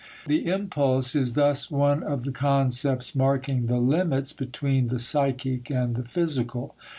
The impulse is thus one of the concepts marking the limits between the psychic and the physical.